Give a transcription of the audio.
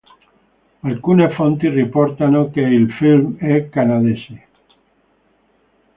Alcune fonti riportano che il film è canadese.